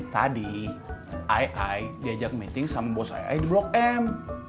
tadi ai diajak meeting sama bos i di blok m